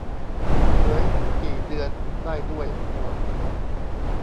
เหย สี่เดือนได้ด้วย โหด